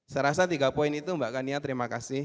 saya rasa tiga poin itu mbak kania terima kasih